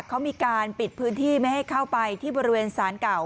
เขามีการปิดพื้นที่ไม่ให้เข้าไปที่บริเวณสารเก่า